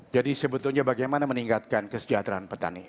jadi sebetulnya bagaimana meningkatkan kesejahteraan petani